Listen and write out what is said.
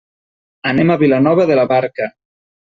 Anem a Vilanova de la Barca.